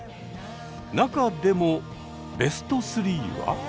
中でもベスト３は？